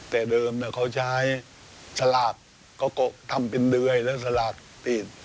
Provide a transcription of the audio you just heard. แต่เดิมเขาใช้สลากเขาก็ทำเป็นเดือยและสลากติด